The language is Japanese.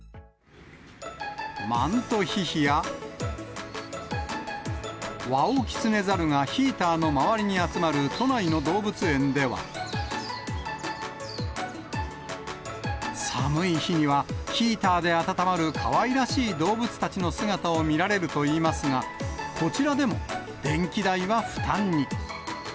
マントヒヒやワオキツネザルがヒーターの周りに集まる都内の動物園では、寒い日には、ヒーターで暖まるかわいらしい動物たちの姿を見られるといいますが、こちらでも電気代は負担に。